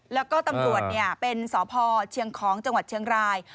แล้วก็ตำรวจเป็นสพเชียงของจังหวัดเชียงราย